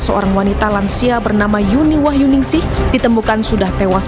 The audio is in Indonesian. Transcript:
seorang wanita lansia bernama yuni wahyuningsih ditemukan sudah tewas